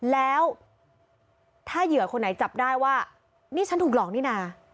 แล้วถ้าเหยื่อคนไหนจับได้ว่านี่ฉันถูกหลอกนี่นะ